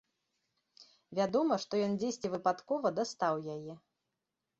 Вядома, што ён дзесьці выпадкова дастаў яе.